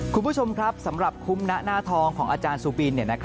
คุณผู้ชมครับสำหรับคุ้มณหน้าทองของอาจารย์สุบิน